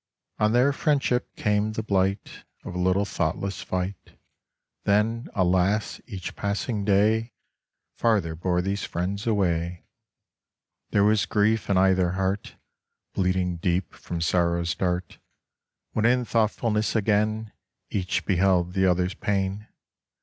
On their friendship came the blight Of a little thoughtless fight; Then, alas! each passing day Farther bore these friends away. There was grief in either heart, Bleeding deep from sorrow's dart, When in thoughtfulness again Each beheld the other's pain.